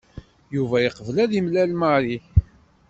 Yuba yeqbel ad yemlal Mary.